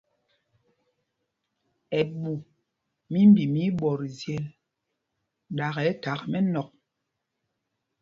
Ɛɓu mimbi mɛ íɓɔtzyel, ɗakɛ thak mɛnɔ̂k.